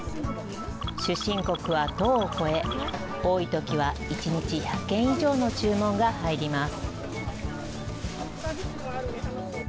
出身国は１０を超え、多いときは１日１００件以上の注文が入ります。